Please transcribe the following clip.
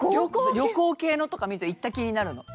旅行系のとか見ると行った気になるの。